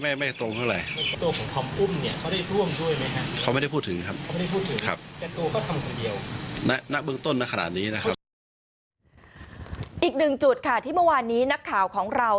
อีกหนึ่งจุดค่ะที่เมื่อวานนี้นักข่าวของเรา